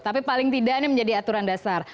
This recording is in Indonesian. tapi paling tidak ini menjadi aturan dasar